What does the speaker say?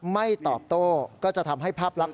ไม่ตอบโต้ก็จะทำให้ภาพลักษ